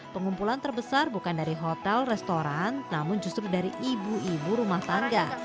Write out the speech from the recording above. pengumpulan terbesar bukan dari hotel restoran namun justru dari ibu ibu rumah tangga